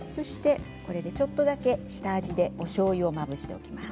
ちょっとだけ下味でおしょうゆをまぶしておきます。